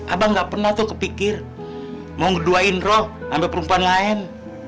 abang gak pernah tuh kepikir mau ngeduain roh ambil perempuan lain